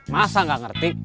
masa gak ngerti